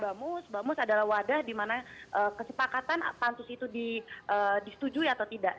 bamus adalah wadah dimana kesepakatan pansus itu disetujui atau tidak